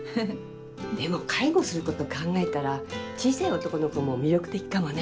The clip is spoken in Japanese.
でも介護すること考えたら小さい男の子も魅力的かもね。